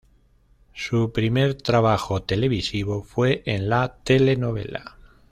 Su primer trabajo televisivo fue en la telenovela.